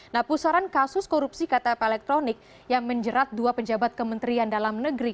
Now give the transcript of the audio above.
nah pusaran kasus korupsi ktp elektronik yang menjerat dua pejabat kementerian dalam negeri